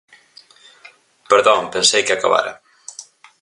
Perdón, pensei que acabara.